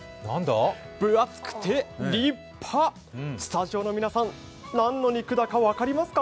分厚くて立派、スタジオの皆さん、何の肉だか分かりますか？